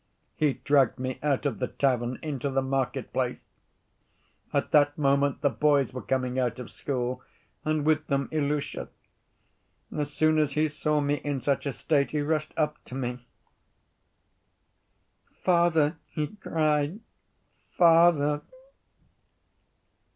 He dragged me out of the tavern into the market‐place; at that moment the boys were coming out of school, and with them Ilusha. As soon as he saw me in such a state he rushed up to me. 'Father,' he cried, 'father!